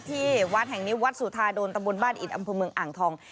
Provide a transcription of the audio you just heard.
ที่วัดแห่งนี้วัดสุธาโดนตะบนบ้านอิดอำเภอเมืองอ่างทอง